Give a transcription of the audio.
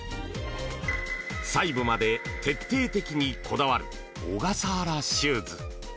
細部まで徹底的にこだわる小笠原シューズ。